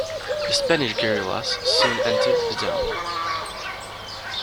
The Spanish guerillas soon enter the town.